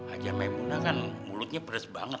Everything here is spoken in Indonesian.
aja maimunah kan mulutnya beres banget